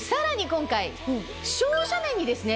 今回照射面にですね